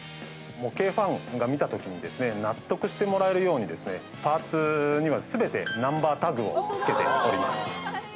模型ファンが見たときに、納得してもらえるようにですね、パーツにはすべてなんばータグをつけております。